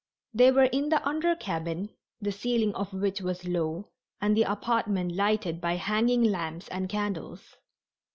They were in the under cabin, the ceiling of which was low and the apartment lighted by hanging lamps and candles.